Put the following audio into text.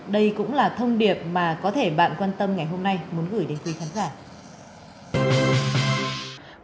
đây cũng là thông điệp mà có thể bạn quan tâm ngày hôm nay muốn gửi đến quý khán giả